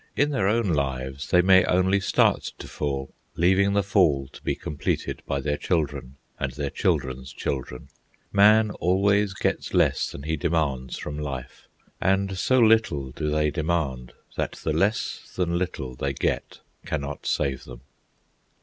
In their own lives they may only start to fall, leaving the fall to be completed by their children and their children's children. Man always gets less than he demands from life; and so little do they demand, that the less than little they get cannot save them.